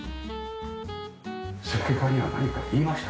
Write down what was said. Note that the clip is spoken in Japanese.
設計家には何か言いました？